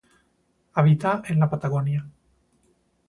Habita en la Patagonia.